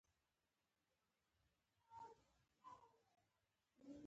شريف په خپله خبره سخت پښېمانه و.